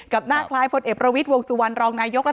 กับน่าคล้าย